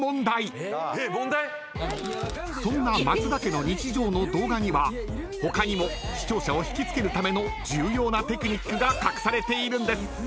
［そんなマツダ家の日常の動画には他にも視聴者を引き付けるための重要なテクニックが隠されているんです］